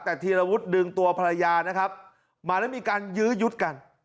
แต่ธีรวุฒิดึงตัวภรรยานะครับมาแล้วมีการยื้อยุดกัน